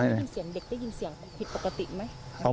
ได้ยินเสียงผิดปกติไหม